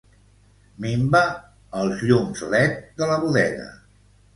Minva els llums led de la bodega.